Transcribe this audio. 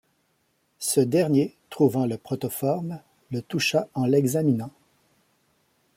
Ce dernier, trouvant le protoforme, le toucha en l'examinant.